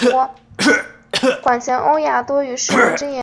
原因是建筑物大厅内增加了邮件室。